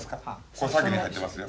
これ先に入ってますよ。